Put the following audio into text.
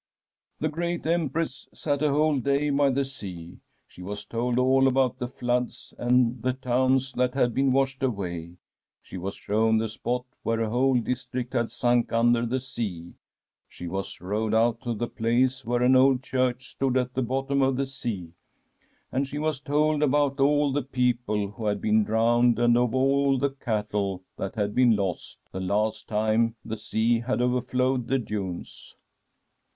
'" The great Empress sat a whole day by the sea. She was told all about the floods and the towns that had been washed away ; she was shown the spot where a whole district had sunk under the sea ; she was rowed out to the place where an old church stood at the bottom of the sea ; and she was told about all the people who had been drowned, and of all the cattle that had been lost, the last time the sea had overflowed the dunes.